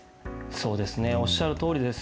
そうですね、おっしゃるとおりです。